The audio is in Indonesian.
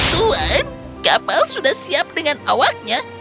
tuan kapal sudah siap dengan awaknya